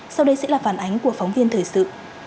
sau đây sẽ là phản ánh của phóng viên thời sự